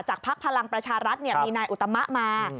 พักพลังประชารัฐมีนายอุตมะมา